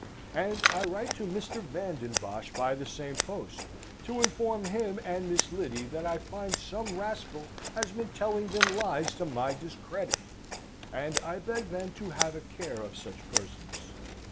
And I write to Mr. Van den Bosch by the same post, to inform him and Miss Lyddy that I find some rascal has been telling them lies to my discredit, and to beg them to have a care of such persons."